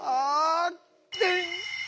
でん！